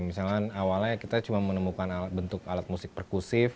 misalnya awalnya kita cuma menemukan bentuk alat musik perkusif